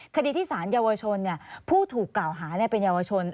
คดีที่สารเยาวชนผู้ถูกกล่าวหาเป็นเยาวชน